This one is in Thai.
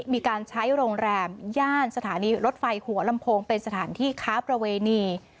มีการใช้โรงแรมย่านสถานีรถไฟหัวลำโพงเป็นสถานที่ค้าประเวณี